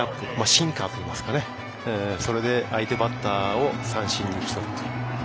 シンカーといいますかそれで相手バッターを三振に打ち取ると。